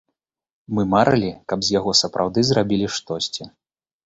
Мы марылі, каб з яго сапраўды зрабілі штосьці.